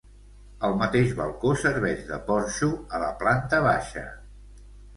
El mateix balcó serveix de porxo a la planta baixa.